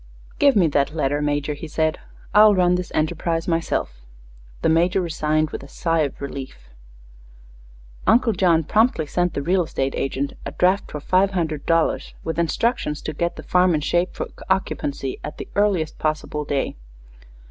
"Give me that letter, Major," he said; "I'll run this enterprise myself." The Major resigned with a sigh of relief. Uncle John promptly sent the real estate agent a draft for five hundred dollars, with instructions to get the farm in shape for occupancy at the earliest possible day.